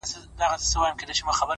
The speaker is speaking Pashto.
د خپل ښايسته خيال پر زرينه پاڼه;